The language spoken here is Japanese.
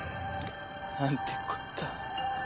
なんてこった。